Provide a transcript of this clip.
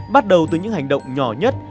bắt đầu từ những hành động nhỏ nhất